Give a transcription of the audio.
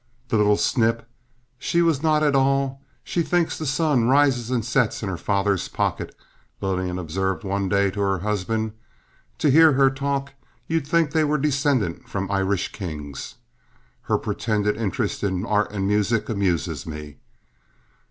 "The little snip"—she was not at all—"she thinks the sun rises and sets in her father's pocket," Lillian observed one day to her husband. "To hear her talk, you'd think they were descended from Irish kings. Her pretended interest in art and music amuses me."